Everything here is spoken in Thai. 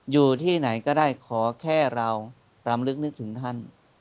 อยู่ที่ไหนก็ได้ขอแค่เรารำลึกนึกถึงท่าน